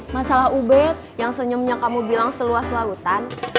masalah ubed yang senyumnya kamu bilang seluas lautan